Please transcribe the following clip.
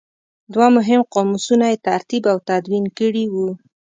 دوه مهم قاموسونه یې ترتیب او تدوین کړي وو.